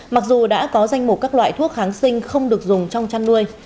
mặc dù đã có danh mục các loại thuốc kháng sinh không được dùng trong chăn nuôi